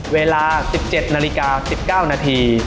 เวลา๑๗นาฬิกา๑๙นาที